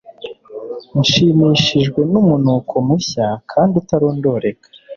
Nshimishijwe numunuko mushya kandi utarondoreka